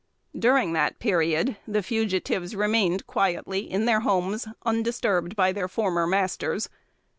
During that period, the fugitives remained quietly in their homes, undisturbed by their former masters.